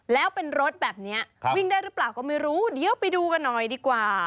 แล้วเป็นรถแบบนี้วิ่งได้หรือเปล่าก็ไม่รู้เดี๋ยวไปดูกันหน่อยดีกว่า